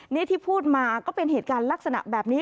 นี่ที่พูดมาก็เป็นเหตุการณ์ลักษณะแบบนี้